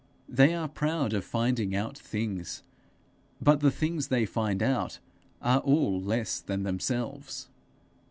They are proud of finding out things, but the things they find out are all less than themselves.